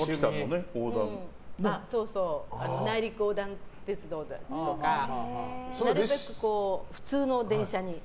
内陸横断鉄道とかなるべく、普通の電車に。